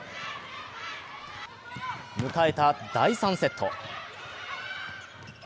迎えた第３セット。